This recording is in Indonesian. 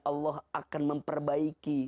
allah akan memperbaiki